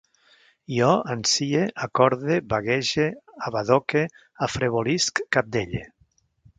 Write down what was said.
Jo ansie, acorde, baguege, abadoque, afrevolisc, cabdelle